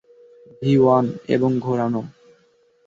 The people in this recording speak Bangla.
ভি-ওয়ান, এবং ঘোরানো।